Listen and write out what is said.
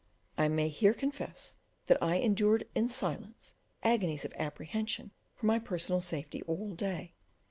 I may here confess that I endured in silence agonies of apprehension for my personal safety all day.